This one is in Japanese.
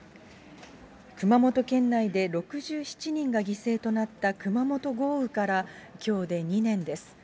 熊本県内で６７人が犠牲となった熊本豪雨からきょうで２年です。